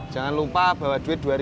jangan lupa bawa duit dua ribu dua